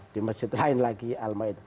di masjid lain lagi al ma'idah lima puluh satu